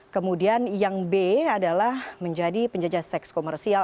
kemudian yang b adalah menjadi penjajah seks komersial